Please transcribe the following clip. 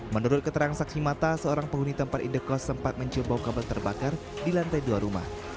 menurut keterangan saksi mata seorang penghuni tempat indekos sempat mencium bau kabel terbakar di lantai dua rumah